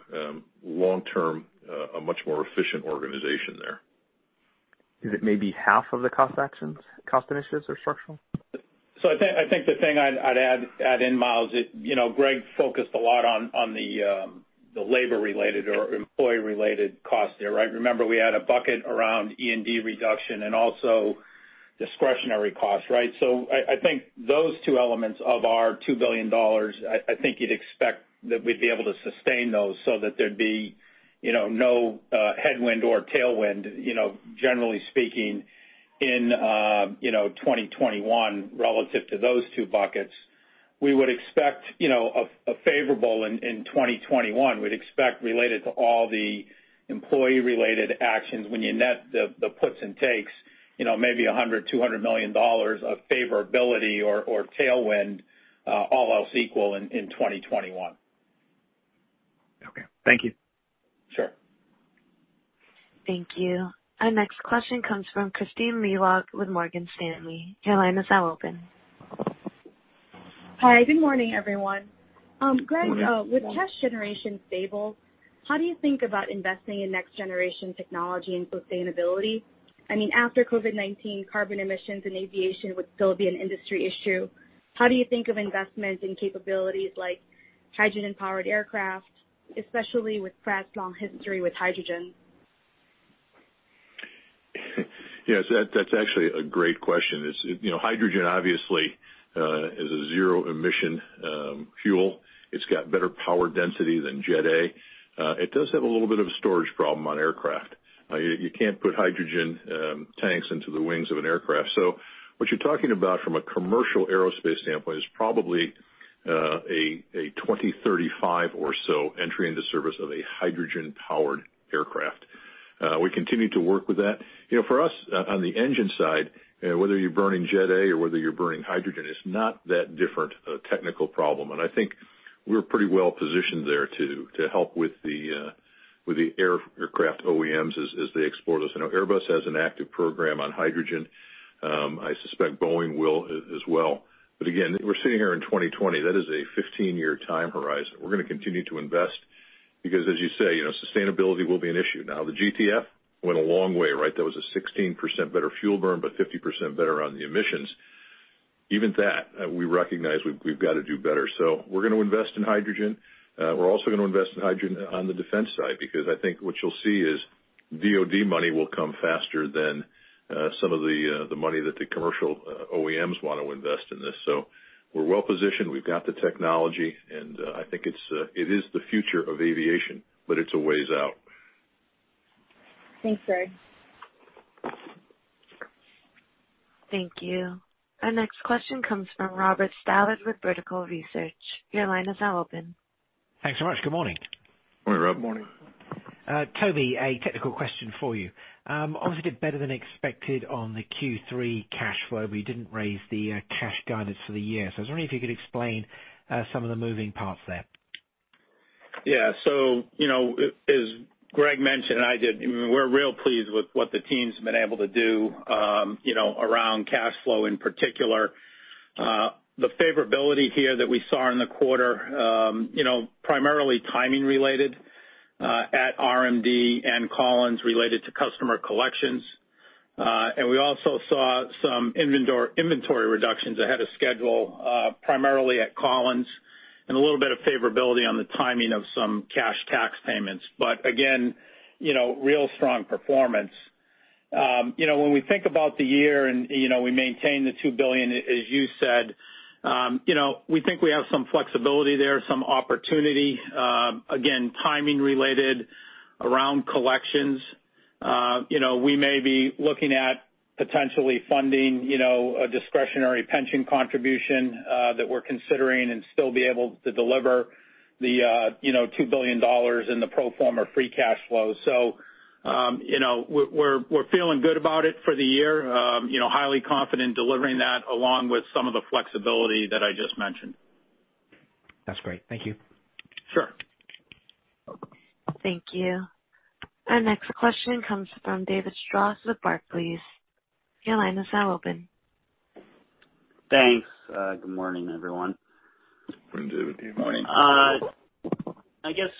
long-term, a much more efficient organization there. Is it maybe half of the cost actions, cost initiatives are structural? I think the thing I'd add in, Myles, Greg focused a lot on the labor related or employee related costs there. Remember we had a bucket around E&D reduction and also discretionary costs. I think those two elements of our $2 billion, I think you'd expect that we'd be able to sustain those so that there'd be no headwind or tailwind, generally speaking, in 2021 relative to those two buckets. We would expect a favorable in 2021. We'd expect related to all the employee-related actions, when you net the puts and takes, maybe $100, $200 million of favorability or tailwind, all else equal in 2021. Okay. Thank you. Sure. Thank you. Our next question comes from Kristine Liwag with Morgan Stanley. Your line is now open. Hi. Good morning, everyone. Good morning. Greg, with cash generation stable, how do you think about investing in next generation technology and sustainability? After COVID-19, carbon emissions and aviation would still be an industry issue. How do you think of investments in capabilities like hydrogen-powered aircraft, especially with Pratt's long history with hydrogen? Yes, that's actually a great question. Hydrogen obviously, is a zero emission fuel. It's got better power density than Jet A. It does have a little bit of a storage problem on aircraft. You can't put hydrogen tanks into the wings of an aircraft. What you're talking about from a commercial aerospace standpoint is probably a 2035 or so entry into service of a hydrogen-powered aircraft. We continue to work with that. For us, on the engine side, whether you're burning Jet A or whether you're burning hydrogen, it's not that different a technical problem. I think we're pretty well positioned there to help with the aircraft OEMs as they explore this. I know Airbus has an active program on hydrogen. I suspect Boeing will as well. Again, we're sitting here in 2020. That is a 15-year time horizon. We're going to continue to invest because as you say, sustainability will be an issue. The GTF went a long way, right? That was a 16% better fuel burn, but 50% better on the emissions. Even that, we recognize we've got to do better. We're going to invest in hydrogen. We're also going to invest in hydrogen on the defense side, because I think what you'll see is DoD money will come faster than some of the money that the commercial OEMs want to invest in this. We're well positioned. We've got the technology, and I think it is the future of aviation, but it's a ways out. Thanks, Greg. Thank you. Our next question comes from Robert Stallard with Vertical Research. Your line is now open. Thanks so much. Good morning. Morning, Rob. Morning. Toby, a technical question for you. Obviously, did better than expected on the Q3 cash flow, but you didn't raise the cash guidance for the year. I was wondering if you could explain some of the moving parts there. As Greg mentioned, and I did, we're real pleased with what the team's been able to do around cash flow in particular. The favorability here that we saw in the quarter, primarily timing related, at RMD and Collins related to customer collections. We also saw some inventory reductions ahead of schedule, primarily at Collins and a little bit of favorability on the timing of some cash tax payments. Again, real strong performance. When we think about the year and we maintain the $2 billion, as you said, we think we have some flexibility there, some opportunity, again, timing related around collections. We may be looking at potentially funding a discretionary pension contribution that we're considering and still be able to deliver the $2 billion in the pro forma free cash flow. We're feeling good about it for the year. Highly confident delivering that along with some of the flexibility that I just mentioned. That's great. Thank you. Sure. Thank you. Our next question comes from David Strauss with Barclays. Your line is now open. Thanks. Good morning, everyone. Morning, David. Morning. I guess,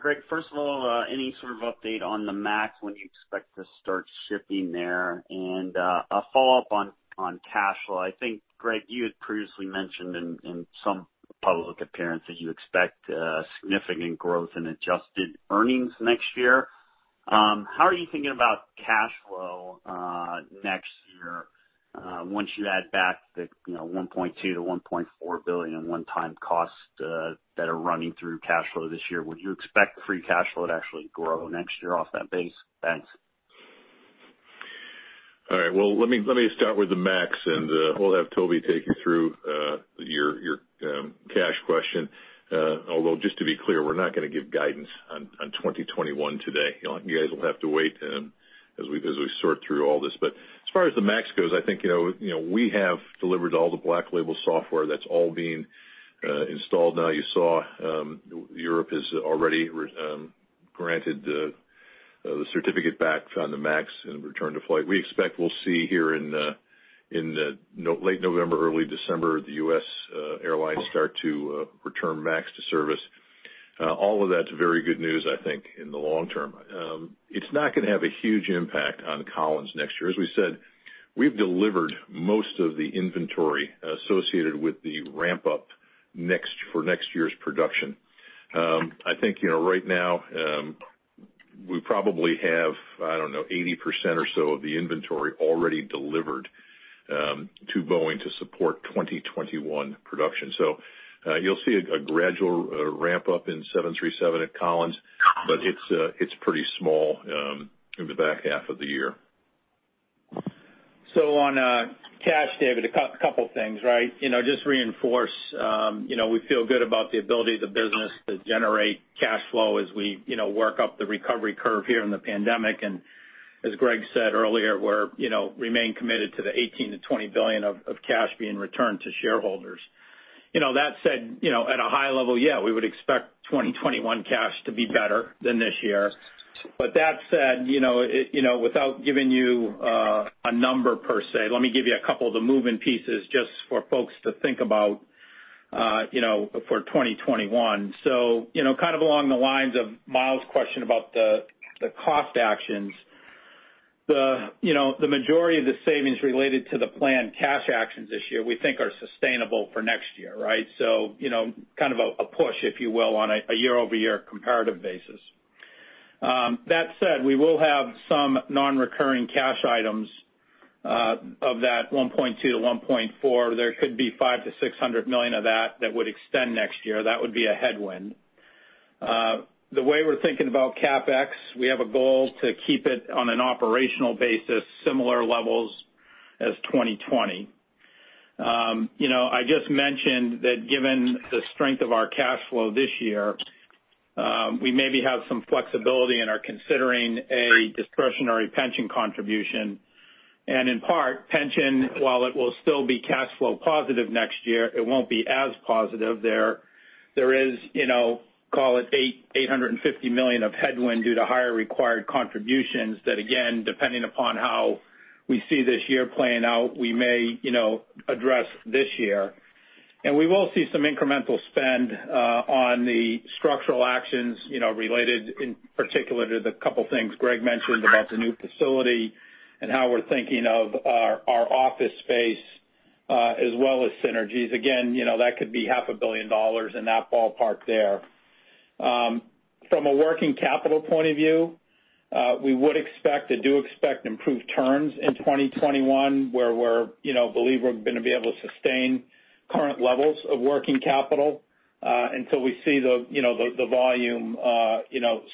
Greg, first of all, any sort of update on the 737 MAX, when you expect to start shipping there? A follow-up on cash flow. I think, Greg, you had previously mentioned in some public appearances, you expect significant growth in adjusted earnings next year. How are you thinking about cash flow next year once you add back the $1.2 billion-$1.4 billion in one-time costs that are running through cash flow this year? Would you expect free cash flow to actually grow next year off that base? Thanks. All right. Well, let me start with the MAX, and we'll have Toby take you through your cash question. Just to be clear, we're not going to give guidance on 2021 today. You guys will have to wait as we sort through all this. As far as the MAX goes, I think we have delivered all the Black Label software that's all being installed now. You saw Europe has already granted the certificate back on the MAX and return to flight. We expect we'll see here in late November, early December, of the U.S. airlines start to return MAX to service. All of that's very good news, I think, in the long term. It's not going to have a huge impact on Collins next year. As we said, we've delivered most of the inventory associated with the ramp-up for next year's production. I think right now, we probably have, I don't know, 80% or so of the inventory already delivered to Boeing to support 2021 production. You'll see a gradual ramp-up in 737 at Collins, but it's pretty small in the back half of the year. On cash, David, a couple things, right? Just reinforce, we feel good about the ability of the business to generate cash flow as we work up the recovery curve here in the pandemic. As Greg said earlier, we remain committed to the $18 billion-$20 billion of cash being returned to shareholders. That said, at a high level, yeah, we would expect 2021 cash to be better than this year. That said, without giving you a number per se, let me give you a couple of the moving pieces just for folks to think about for 2021. Kind of along the lines of Myles' question about the cost actions. The majority of the savings related to the planned cash actions this year, we think are sustainable for next year, right? Kind of a push, if you will, on a year-over-year comparative basis. That said, we will have some non-recurring cash items of that $1.2-$1.4. There could be $500 million-$600 million of that that would extend next year. That would be a headwind. The way we're thinking about CapEx, we have a goal to keep it on an operational basis, similar levels as 2020. I just mentioned that given the strength of our cash flow this year, we maybe have some flexibility and are considering a discretionary pension contribution. In part, pension, while it will still be cash flow positive next year, it won't be as positive there. There is, call it $850 million of headwind due to higher required contributions. That, again, depending upon how we see this year playing out, we may address this year. We will see some incremental spend on the structural actions, related in particular to the couple of things Greg mentioned about the new facility and how we're thinking of our office space, as well as synergies. That could be half a billion dollars in that ballpark there. From a working capital point of view, we would expect and do expect improved turns in 2021 where we believe we're going to be able to sustain current levels of working capital, until we see the volume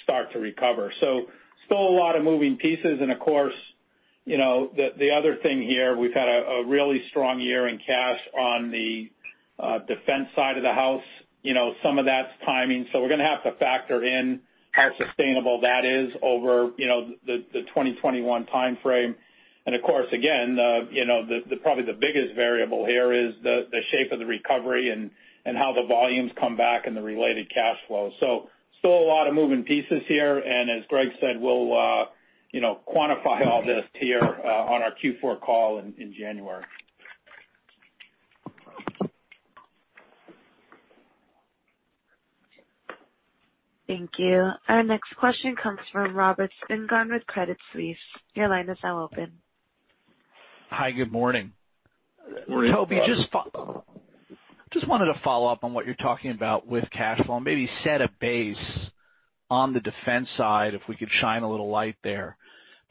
start to recover. Still a lot of moving pieces. Of course, the other thing here, we've had a really strong year in cash on the defense side of the house. Some of that's timing. We're going to have to factor in how sustainable that is over the 2021 timeframe. Of course, again, probably the biggest variable here is the shape of the recovery and how the volumes come back and the related cash flow. Still a lot of moving pieces here, and as Greg said, we'll quantify all this here on our Q4 call in January. Thank you. Our next question comes from Robert Spingarn with Credit Suisse. Your line is now open. Hi, good morning. Morning, Rob. Toby, just wanted to follow up on what you're talking about with cash flow, and maybe set a base on the defense side, if we could shine a little light there.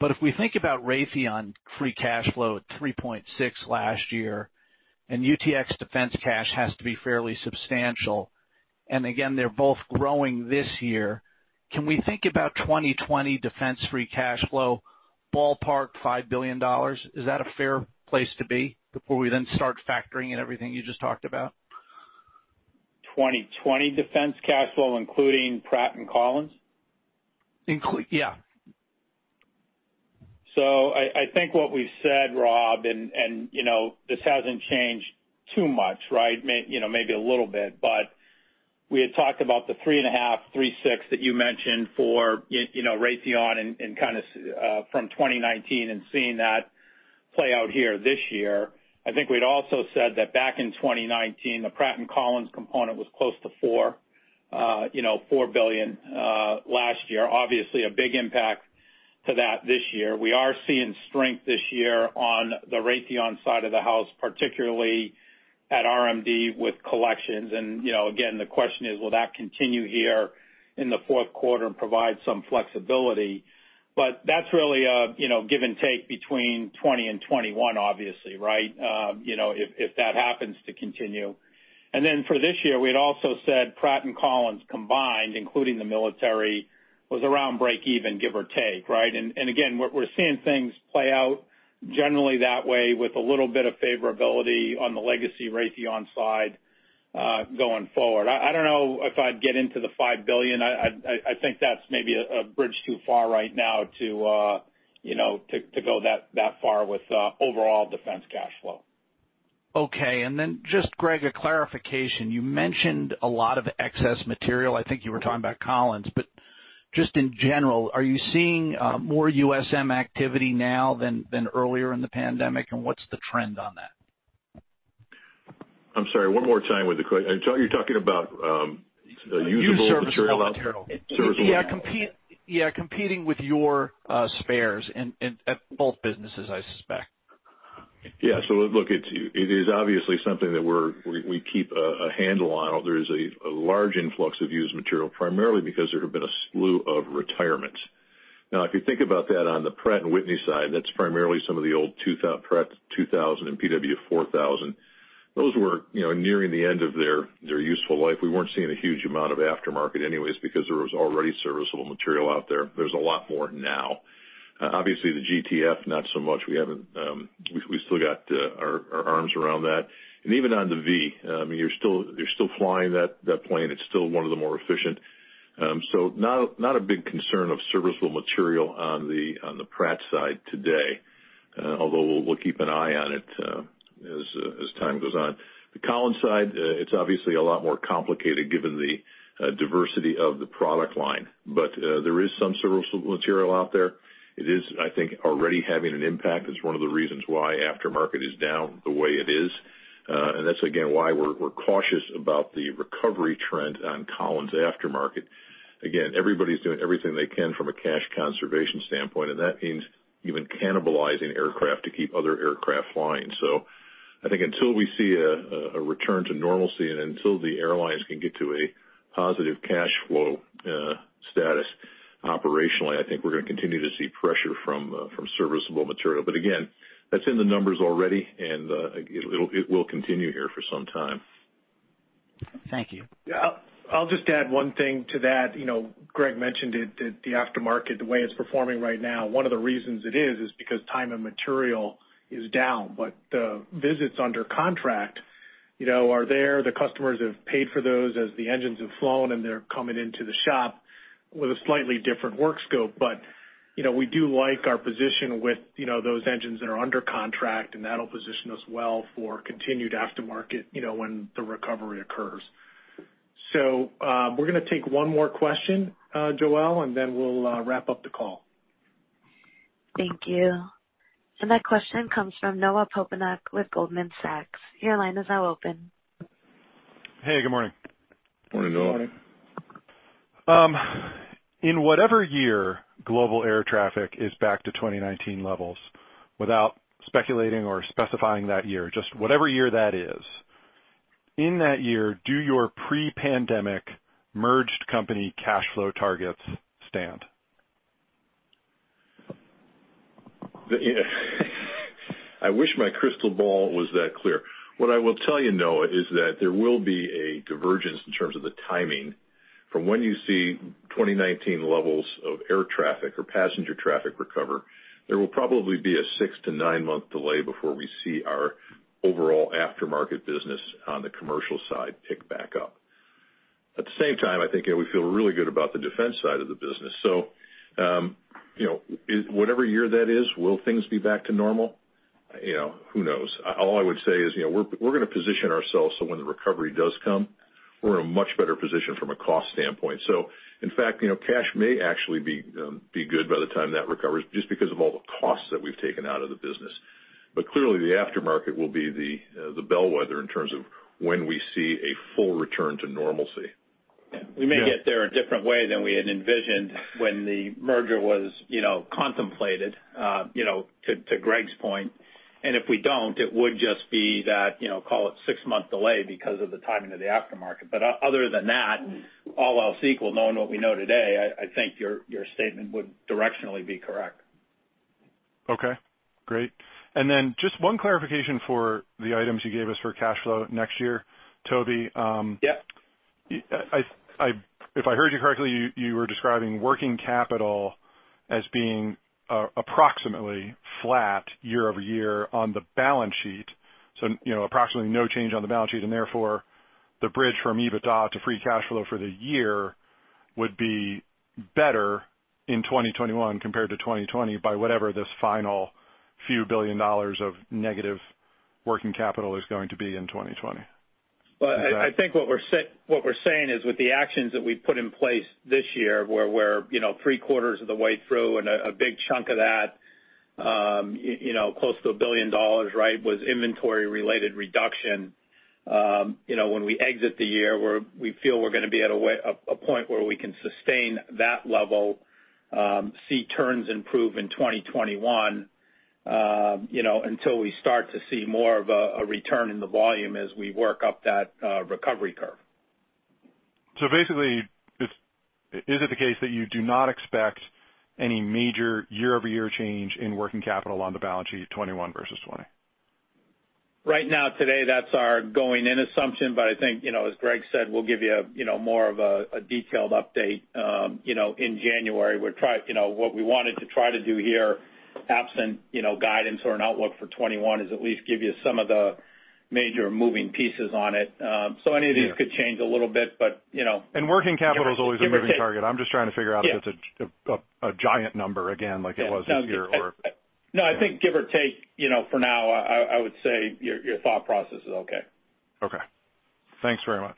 If we think about Raytheon free cash flow at $3.6 last year, and UTC defense cash has to be fairly substantial, and again, they're both growing this year. Can we think about 2020 defense free cash flow, ballpark $5 billion? Is that a fair place to be before we then start factoring in everything you just talked about? 2020 defense cash flow, including Pratt & Collins? Yeah. I think what we've said, Rob, and this hasn't changed too much, right? Maybe a little bit, but we had talked about the 3.5, 3.6 that you mentioned for Raytheon and kind of from 2019 and seeing that play out here this year. I think we'd also said that back in 2019, the Pratt & Collins component was close to $4 billion last year. Obviously, a big impact to that this year. We are seeing strength this year on the Raytheon side of the house, particularly at RMD with collections. Again, the question is, will that continue here in the fourth quarter and provide some flexibility? That's really a give and take between 2020 and 2021, obviously, right? If that happens to continue. Then for this year, we'd also said Pratt & Collins combined, including the military, was around breakeven, give or take, right? Again, we're seeing things play out generally that way with a little bit of favorability on the legacy Raytheon side going forward. I don't know if I'd get into the $5 billion. I think that's maybe a bridge too far right now to go that far with overall defense cash flow. Okay. Just, Greg, a clarification. You mentioned a lot of excess material. I think you were talking about Collins. Just in general, are you seeing more USM activity now than earlier in the pandemic, and what's the trend on that? I'm sorry, one more time with the question. Are you talking about usable material? Used Serviceable Material. Service level. Yeah, competing with your spares at both businesses, I suspect. Yeah. Look, it is obviously something that we keep a handle on. There is a large influx of used material, primarily because there have been a slew of retirements. If you think about that on the Pratt & Whitney side, that's primarily some of the old Pratt 2000 and PW4000. Those were nearing the end of their useful life. We weren't seeing a huge amount of aftermarket anyways because there was already serviceable material out there. There's a lot more now. Obviously, the GTF, not so much. We still got our arms around that. Even on the V, you're still flying that plane, it's still one of the more efficient. Not a big concern of serviceable material on the Pratt side today, although we'll keep an eye on it as time goes on. The Collins side, it's obviously a lot more complicated given the diversity of the product line. There is some serviceable material out there. It is, I think, already having an impact. It's one of the reasons why aftermarket is down the way it is. That's again, why we're cautious about the recovery trend on Collins aftermarket. Again, everybody's doing everything they can from a cash conservation standpoint, and that means even cannibalizing aircraft to keep other aircraft flying. I think until we see a return to normalcy and until the airlines can get to a positive cash flow status operationally, I think we're going to continue to see pressure from serviceable material. Again, that's in the numbers already, and it will continue here for some time. Thank you. Yeah. I'll just add one thing to that. Greg mentioned it, that the aftermarket, the way it's performing right now, one of the reasons it is because time and material is down. The visits under contract are there. The customers have paid for those as the engines have flown, and they're coming into the shop with a slightly different work scope. We do like our position with those engines that are under contract, and that'll position us well for continued aftermarket when the recovery occurs. We're gonna take one more question, Joelle, and then we'll wrap up the call. Thank you. That question comes from Noah Poponak with Goldman Sachs. Your line is now open. Hey, good morning. Morning, Noah. Good morning. In whatever year global air traffic is back to 2019 levels, without speculating or specifying that year, just whatever year that is. In that year, do your pre-pandemic merged company cash flow targets stand? I wish my crystal ball was that clear. What I will tell you, Noah, is that there will be a divergence in terms of the timing from when you see 2019 levels of air traffic or passenger traffic recover. There will probably be a six to nine-month delay before we see our overall aftermarket business on the commercial side pick back up. At the same time, I think we feel really good about the defense side of the business. Whatever year that is, will things be back to normal? Who knows? All I would say is, we're going to position ourselves so when the recovery does come, we're in a much better position from a cost standpoint. In fact, cash may actually be good by the time that recovers, just because of all the costs that we've taken out of the business. Clearly, the aftermarket will be the bellwether in terms of when we see a full return to normalcy. We may get there a different way than we had envisioned when the merger was contemplated, to Greg's point. If we don't, it would just be that, call it six-month delay because of the timing of the aftermarket. Other than that, all else equal, knowing what we know today, I think your statement would directionally be correct. Okay, great. Just one clarification for the items you gave us for cash flow next year. Yep If I heard you correctly, you were describing working capital as being approximately flat year-over-year on the balance sheet. Approximately no change on the balance sheet, and therefore, the bridge from EBITDA to free cash flow for the year would be better in 2021 compared to 2020, by whatever this final few billion dollars of negative working capital is going to be in 2020. Well, I think what we're saying is with the actions that we've put in place this year, where we're three quarters of the way through and a big chunk of that, close to $1 billion, was inventory-related reduction. When we exit the year, we feel we're going to be at a point where we can sustain that level, see turns improve in 2021, until we start to see more of a return in the volume as we work up that recovery curve. Basically, is it the case that you do not expect any major year-over-year change in working capital on the balance sheet, 2021 versus 2020? Right now, today, that's our going-in assumption. I think, as Greg said, we'll give you more of a detailed update in January. What we wanted to try to do here, absent guidance or an outlook for 2021, is at least give you some of the major moving pieces on it. Any of these could change a little bit. Working capital is always a moving target. I'm just trying to figure out if it's a giant number again like it was this year. No, I think give or take, for now, I would say your thought process is okay. Okay. Thanks very much.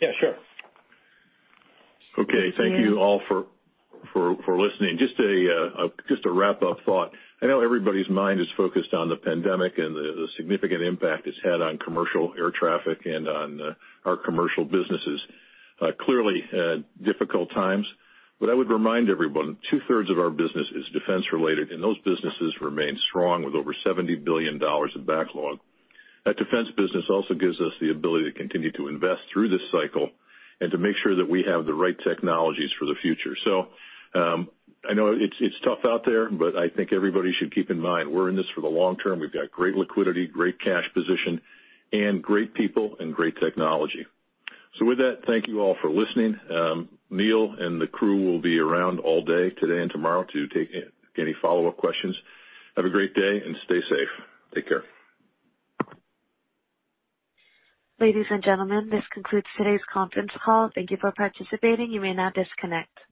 Yeah, sure. Okay. Thank you all for listening. Just a wrap-up thought. I know everybody's mind is focused on the pandemic and the significant impact it's had on commercial air traffic and on our commercial businesses. Clearly, difficult times. I would remind everyone, two-thirds of our business is defense-related, and those businesses remain strong with over $70 billion of backlog. That defense business also gives us the ability to continue to invest through this cycle and to make sure that we have the right technologies for the future. I know it's tough out there, but I think everybody should keep in mind, we're in this for the long term. We've got great liquidity, great cash position, and great people and great technology. With that, thank you all for listening. Neil and the crew will be around all day today and tomorrow to take any follow-up questions. Have a great day, and stay safe. Take care. Ladies and gentlemen, this concludes today's conference call. Thank you for participating. You may now disconnect.